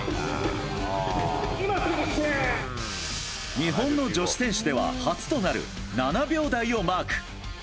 日本の女子選手では初となる７秒台をマーク。